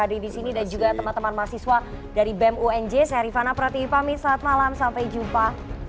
hadir disini dan juga teman teman mahasiswa dari bem unj seri fana pratiwipami saat malam sampai jumpa